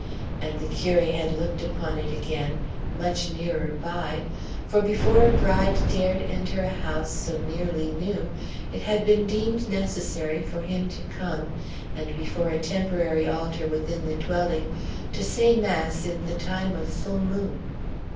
And the curé had looked upon it again, much nearer by; for before a bride dared enter a house so nearly new, it had been deemed necessary for him to come and, before a temporary altar within the dwelling, to say mass in the time of full moon.